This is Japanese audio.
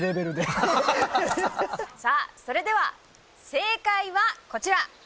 それでは正解はこちら。